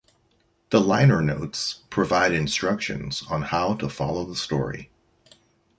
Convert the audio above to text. The liner notes provide instructions on how to follow the story.